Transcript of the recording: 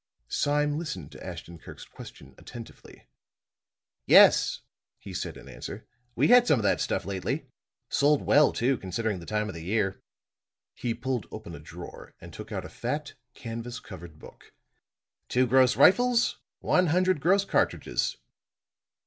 Sime listened to Ashton Kirk's question attentively. "Yes," he said, in answer, "we had some of that stuff lately. Sold well, too, considering the time of the year." He pulled open a drawer and took out a fat, canvas covered book. "Two gross rifles; one hundred gross cartridges."